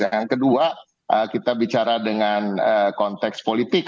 yang kedua kita bicara dengan konteks politik